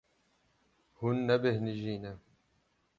Hûn nebêhnijîne.